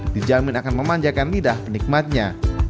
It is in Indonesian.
dijamin akan memanjakan lidah penikmatnya